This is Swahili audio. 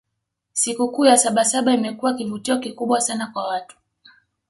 sikukuu ya sabasaba imekuwa kivutio kikubwa sana kwa watu